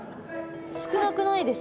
少なくないですか？